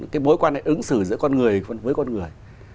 cái bối quan này ứng xử giữa con người với con người